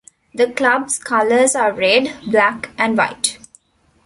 The club's colors are red, black and white.